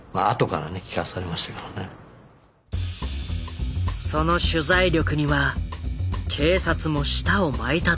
その取材力には警察も舌を巻いたという。